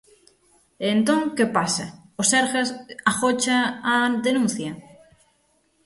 E entón ¿que pasa?, ¿o Sergas agocha a denuncia?